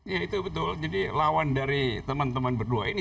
ya itu betul jadi lawan dari teman teman berdua ini